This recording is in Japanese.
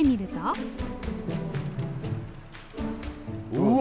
うわ！